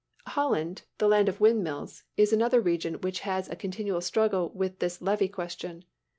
] Holland, the land of windmills, is another region which has a continual struggle with this levee question.